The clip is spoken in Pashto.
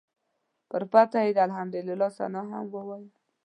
پر فتحه یې د الحمدلله ثناء هم وایه.